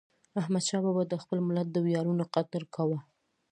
احمدشاه بابا د خپل ملت د ویاړونو قدر کاوه.